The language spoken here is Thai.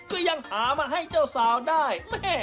ก็ยังหามาให้เจ้าสาวได้แม่